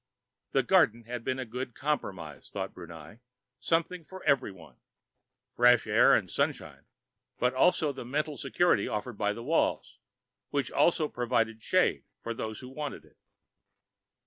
The garden had been a good compromise, thought Brunei. Something for everyone. Fresh air and sun shine, but also the mental security offered by the walls, which also provided shade for those who wanted it.